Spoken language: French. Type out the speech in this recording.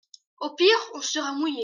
Au pire on sera mouillés.